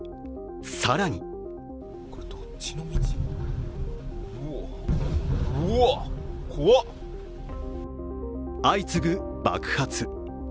更に相次ぐ爆発。